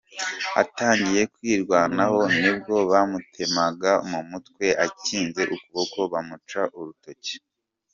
Atangiye kwirwanaho nibwo bamutemaga mu mutwe akinze ukuboko bamuca urutoki.